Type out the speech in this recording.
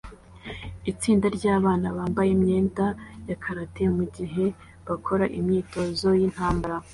Itsinda ryabana bambaye imyenda ya karate mugihe bakora imyitozo yintambara